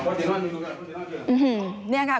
เอาพ่อเดี๋ยวนั่นดูก่อน